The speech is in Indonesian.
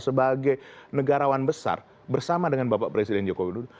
sebagai negarawan besar bersama dengan bapak presiden joko widodo